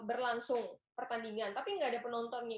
berlangsung pertandingan tapi nggak ada penontonnya